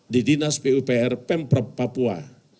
di dinas pupr pemprov papua